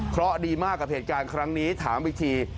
เพราะดีมากกับเหตุการณ์ครั้งนี้ถามอีกที